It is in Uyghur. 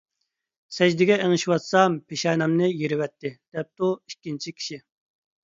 _ سەجدىگە ئېڭىشىۋاتسام، پېشانەمنى يېرىۋەتتى، _ دەپتۇ ئىككىنچى كىشى.